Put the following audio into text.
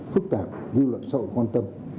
phức tạp dư luận sâu quan tâm